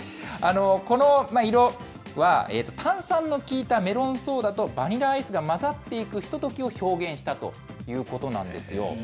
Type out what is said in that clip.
この色は、炭酸の効いたメロンソーダとバニラアイスが混ざっていくひとときを表現したということなんですよ。